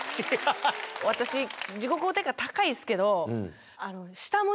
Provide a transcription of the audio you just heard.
私自己肯定感高いですけど。